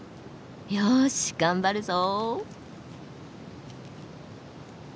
よし頑張るぞ。